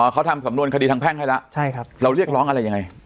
อ๋อเขาทำสำนวนคดีทางแพ่งให้ล่ะใช่ครับเราเรียกร้องอะไรยังไง